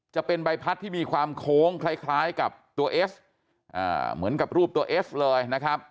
จะเป็นใบพัดที่มีความโค้งคล้ายกับตัวเอสเหมือนกับรูปตัวเอสเลยนะครับ